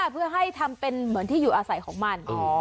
เพื่อให้ทำเป็นเหมือนที่อยู่อาศัยของมัน